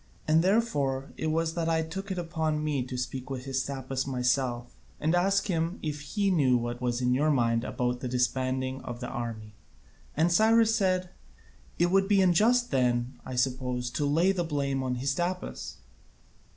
And therefore it was that I took it upon me to speak with Hystaspas myself, and ask him if he knew what was in your mind about the disbanding of the army." And Cyrus said, "It would be unjust then, I suppose, to lay the blame on Hystaspas."